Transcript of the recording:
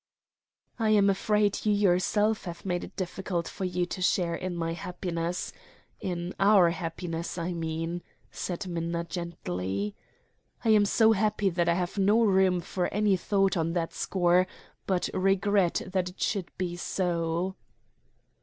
"I am afraid you yourself have made it difficult for you to share in my happiness in our happiness, I mean," said Minna gently. "I am so happy that I have no room for any thought on that score but regret that it should be so."